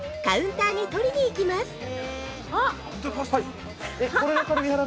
カウンターに取りに行きます。